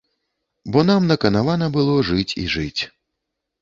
Бо нам наканавана было жыць і жыць.